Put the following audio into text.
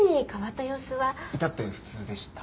至って普通でした。